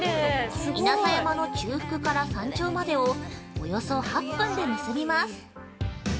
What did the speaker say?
稲佐山の中腹から山頂までをおよそ８分で結びます。